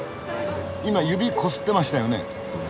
いま指こすってましたよね？